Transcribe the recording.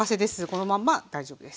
このまんま大丈夫です。